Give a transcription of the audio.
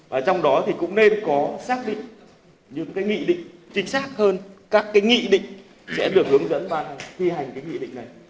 và trong đó thì cũng nên có xác định những cái nghị định chính xác hơn các cái nghị định sẽ được hướng dẫn và thi hành cái nghị định này